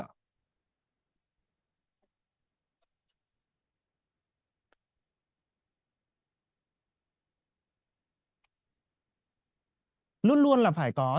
điều dưỡng của trung tâm cấp cứu a chín